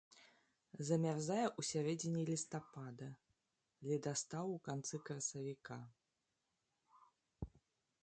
Замярзае ў сярэдзіне лістапада, ледастаў у канцы красавіка.